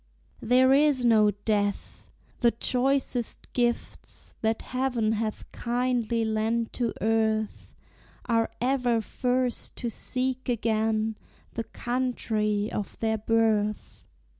There is no death! the choicest gifts That heaven hath kindly lent to earth Are ever first to seek again The country of their birth.